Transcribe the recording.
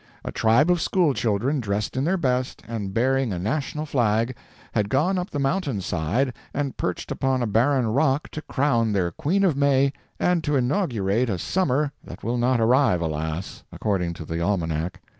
A tribe of school children, dressed in their best, and bearing a national flag, had gone up the mountain side and perched upon a barren rock to crown their queen of May and to inaugurate a summer that will not arrive, alas! according to the almanac.